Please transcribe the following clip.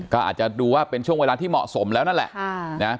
ก็อาจจะดูว่าเป็นช่วงเวลาที่เหมาะสมแล้วนั่นแหละ